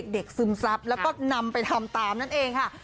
ซึมซับแล้วก็นำไปทำตามนั่นเองค่ะ